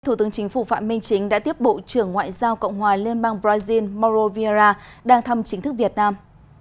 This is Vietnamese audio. thủ tướng chính phủ phạm minh chính đã tiếp bộ trưởng ngoại giao cộng hòa liên bang brazil mauro vieira đang thăm chính thức việt nam